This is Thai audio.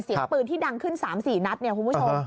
เสียงปืนที่ดังขึ้น๓๔นัดเนี่ยคุณผู้ชม